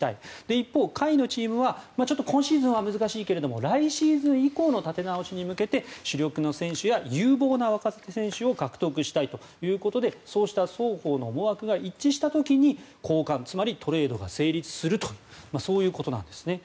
一方、下位のチームはちょっと今シーズンは難しいけれど来シーズン以降の立て直しに向けて主力の選手や有望な若手選手を獲得したいということでそうした双方の思惑が一致した時にトレードが成立するということなんです。